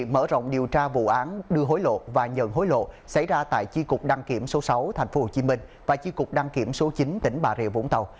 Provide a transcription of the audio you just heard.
mở rộng điều tra vụ án đưa hối lộ và nhận hối lộ xảy ra tại chi cục đăng kiểm số sáu tp hcm và chi cục đăng kiểm số chín tỉnh bà rịa vũng tàu